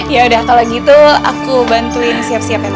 yaudah kalau gitu aku bantuin siap siap ya tante